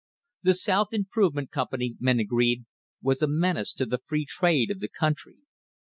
The South Improve ment Company, men agreed, was a menace to the free trade of the country.